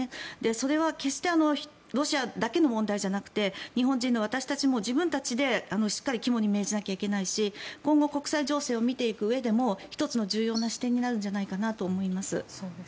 それは決してロシアだけの問題じゃなくて日本人の私たちも自分たちでしっかり肝に銘じなきゃいけないし今後国際情勢を見ていくうえでも１つの重要な視点になるんじゃないかなと思います。